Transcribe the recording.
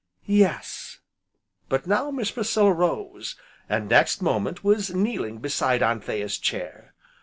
"Yes." But now Miss Priscilla rose, and, next moment, was kneeling beside Anthea's chair.